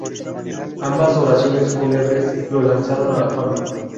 Ambas oraciones fúnebres lo lanzaron a la fama.